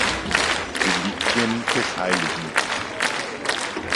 Reliquien des Hl.